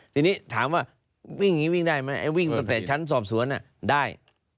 ทีนี้ถามว่าวิ่งอย่างนี้วิ่งได้ไหมไอ้วิ่งตั้งแต่ชั้นสอบสวนได้